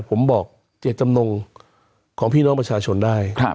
ผมบอกเจตจำนงของพี่น้องประชาชนได้